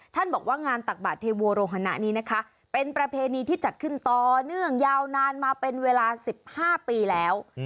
บอกว่างานตักบาทเทโวโรฮนะนี้นะคะเป็นประเพณีที่จัดขึ้นต่อเนื่องยาวนานมาเป็นเวลา๑๕ปีแล้ว